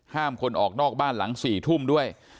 ห้ามคนออกนอกบ้านหลัง๔ทุ่มด้วย